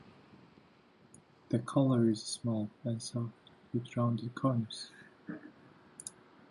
The collar is small and soft, with rounded corners.